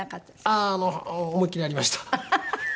あの思いっきりありました。